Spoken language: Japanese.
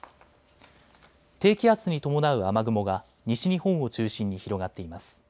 低気圧に伴う雨雲が西日本を中心に広がっています。